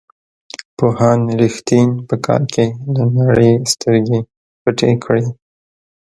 پوهاند رښتین په کال کې له نړۍ سترګې پټې کړې.